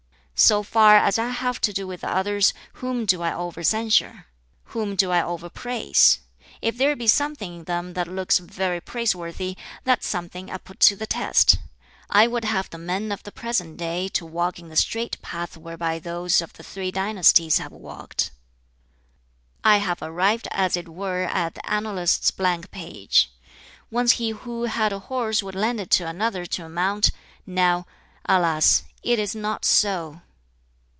"So far as I have to do with others, whom do I over censure? whom do I over praise? If there be something in them that looks very praiseworthy, that something I put to the test. I would have the men of the present day to walk in the straight path whereby those of the Three Dynasties have walked. "I have arrived as it were at the annalist's blank page. Once he who had a horse would lend it to another to mount; now, alas! it is not so.